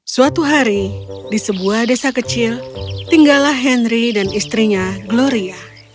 suatu hari di sebuah desa kecil tinggallah henry dan istrinya gloria